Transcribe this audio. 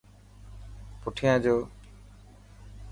پٺيان جو.